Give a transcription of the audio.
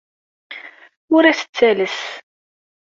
Ur as-ttales.